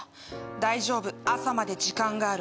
「大丈夫朝まで時間がある」